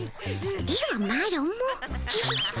ではマロも。